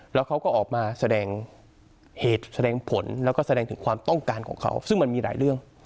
แล้วเขาก็ออกมาแสดงเหตุแสดงผลแล้วก็แสดงถึงความต้องการของเขาซึ่งมันมีหลายเรื่อง